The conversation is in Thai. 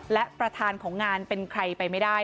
และประธานของงานเป็นใครไปไม่ได้